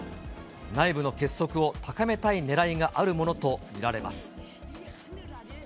内部の結束を高めたいねらいがあるものと見られます。